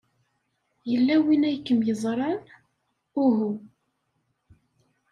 Yella win ay kem-yeẓran? Uhu.